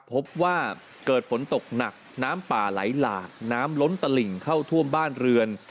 พบว่าเกิดฝนตกหนักน้ำป่าไหลหลากน้ำล้นตลิ่งเข้าท่วมบ้านเรือน